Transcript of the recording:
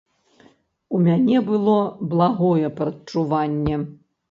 У мяне было благое прадчуванне!